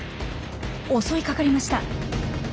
襲いかかりました。